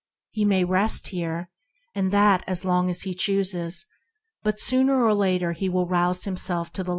He may rest here, and that as long as he chooses; but sioner or later he will reuse himsel: ti me